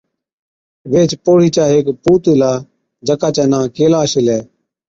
ويهچ پوڙهِي چا هيڪ پُوت هِلا، جڪا چَي نان ڪيلاش هِلَي۔